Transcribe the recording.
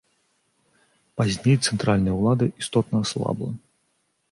Пазней цэнтральная ўлада істотна аслабла.